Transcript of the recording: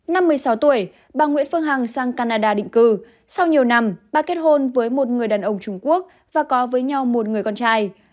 năm một mươi sáu tuổi bà nguyễn phương hằng sang canada định cư sau nhiều năm bà kết hôn với một người đàn ông trung quốc và có với nhau một người con trai